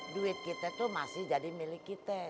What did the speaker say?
duit kita itu masih jadi milik kita